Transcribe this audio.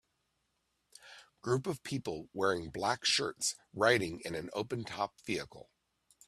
Group of people wearing black shirts riding in an open top vehicle